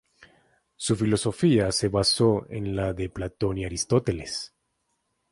Su filosofía se basó en la de Platón y Aristóteles.